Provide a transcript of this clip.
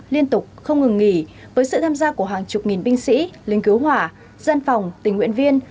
liên tục không ngừng nghỉ với sự tham gia của hàng chục nghìn binh sĩ lính cứu hỏa dân phòng tình nguyện viên